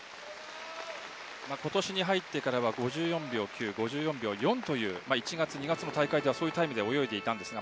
今年に入ってからは５４秒９、５４秒４という１月、２月の大会ではそういうタイムで泳いでいました。